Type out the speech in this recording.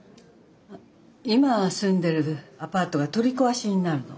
今住んでるアパートが取り壊しになるの。